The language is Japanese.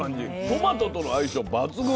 トマトとの相性抜群。